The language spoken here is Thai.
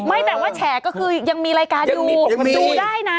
ไม่แต่ว่าแฉก็คือยังมีรายการอยู่ดูได้นะ